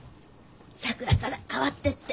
さくらから代わってって。